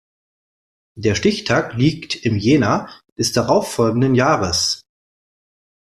Der Stichtag liegt im Jänner des darauf folgenden Jahres.